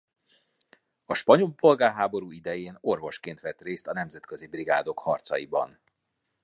A spanyol polgárháború idején orvosként vett részt a nemzetközi brigádok harcaiban.